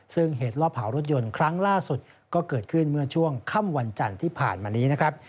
ซึ่งเหตุรอบเผารถยนต์ครั้งล่าสุดก็เกิดขึ้นเมื่อช่วงค่ำวันจันทร์ที่ผ่านมานี้นะครับ